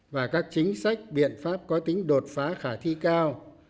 và các chính sách biện pháp có tính đột phá khả thi cao